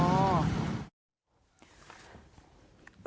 เงินกลางสุดเลยครับ